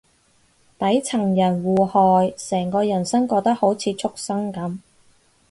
底層人互害，成個人生過得好似畜生噉